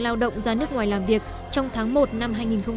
lao động ra nước ngoài làm việc trong tháng một năm hai nghìn hai mươi